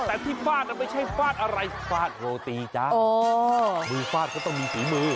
แต่ที่ฟาดไม่ใช่ฟาดอะไรท่ะฟาดโรตีจ้ามือฟาดก็ต้องมีสีมือ